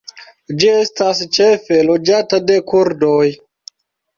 Ĝi estas ĉefe loĝata de kurdoj.